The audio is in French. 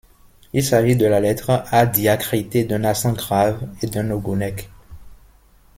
Il s’agit de la lettre A diacritée d’un accent grave et d’un ogonek.